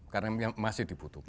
karena masih dibutuhkan